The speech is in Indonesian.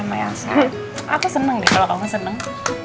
sama elsa aku seneng deh kalau kamu seneng